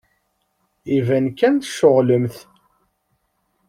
Iban kan tceɣlemt.